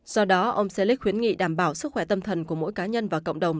do đó ông selic khuyến nghị đảm bảo sức khỏe tâm thần của mỗi cá nhân và cộng đồng